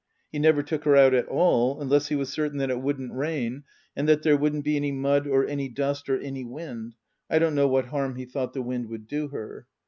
He never took her out at all unless he was certain that it wouldn't rain and that there wouldn't be any mud or any dust or any wind (I don't know what harm he thought the wind would do her).